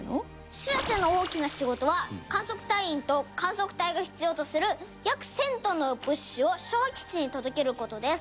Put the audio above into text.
しらせの大きな仕事は観測隊員と観測隊が必要とする約１０００トンの物資を昭和基地に届ける事です。